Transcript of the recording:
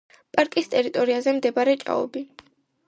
პარკის ტერიტორიაზე მდებარეობს ჭაობი.